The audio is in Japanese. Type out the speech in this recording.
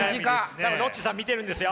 多分ロッチさん見てるんですよ。